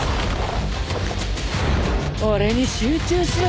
俺に集中しろ。